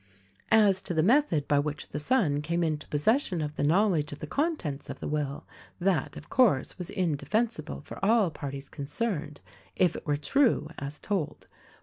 As to the method by which the son came into posses sion of the knowledge of the contents of the will, that, of course, was indefensible for all parties concerned — if it were true, as told.